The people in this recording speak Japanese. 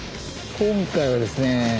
今回はですね